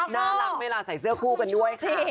น่ารักไหมล่ะใส่เสื้อคู่กันด้วยค่ะ